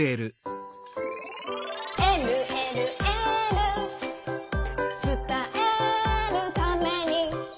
「えるえるエール」「つたえるために」